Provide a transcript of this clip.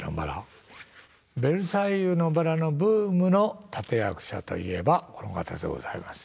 「ベルサイユのばら」のブームの立て役者といえばこの方でございます。